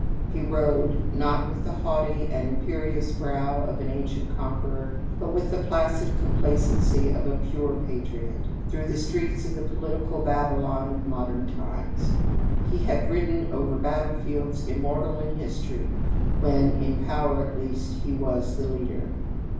He rode, not with the haughty and imperious brow of an ancient conqueror, but with the placid complacency of a pure patriot, through the streets of the political Babylon of modern times. He had ridden over battle fields immortal in history, when, in power at least, he was the leader.